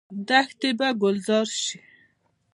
دښتې به ګلزار شي.